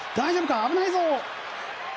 危ないぞ！